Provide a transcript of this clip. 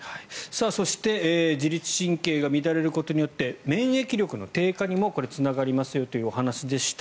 そして自律神経が乱れることによって免疫力の低下にもつながりますよというお話でした。